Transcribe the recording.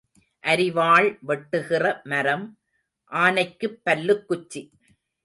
அரிவாள் வெட்டுகிற மரம் ஆனைக்குப் பல்லுக் குச்சி.